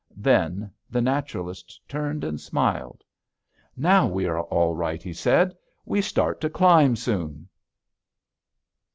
Then the naturalist turned and smiled. "Now we are all right," he said. "_We start to climb soon!